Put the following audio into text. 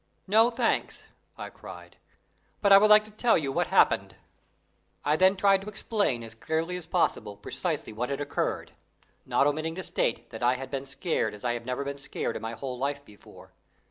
"No, thanks," I cried. "But I would like to tell you what happened." I then tried to explain as clearly as possible precisely what had occurred, not omitting to state that I had been scared as I had never been scared in my whole life before.